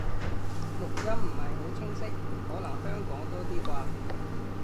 錄音唔係好清晰，可能香港多啲啩